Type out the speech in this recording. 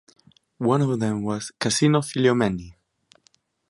One of them was Cosimo Figliomeni.